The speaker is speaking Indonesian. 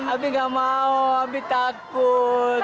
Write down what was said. abi gak mau abi takut